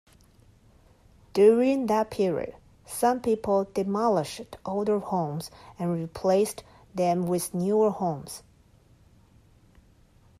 During that period some people demolished older homes and replaced them with newer homes.